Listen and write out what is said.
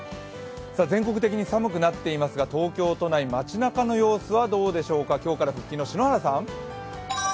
全国的に寒くなっていますが東京都内、街なかの様子はどうでしょうか、今日から復帰の篠原さん。